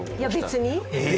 別に。